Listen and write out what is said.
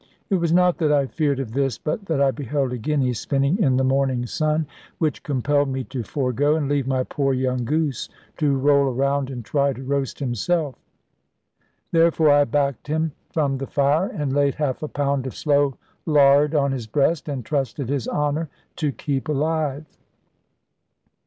It was not that I feared of this, but that I beheld a guinea spinning in the morning sun, which compelled me to forego, and leave my poor young goose to roll around, and try to roast himself. Therefore I backed him from the fire, and laid half a pound of slow lard on his breast, and trusted his honour to keep alive.